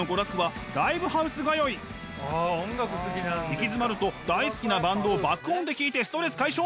行き詰まると大好きなバンドを爆音で聴いてストレス解消！